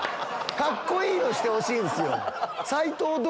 カッコいいのしてほしいんすよ。